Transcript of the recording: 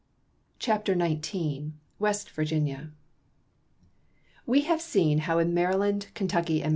CHAPTER XIX WEST VIRGINIA WE have seen how in Maryland, Kentucky, and chap.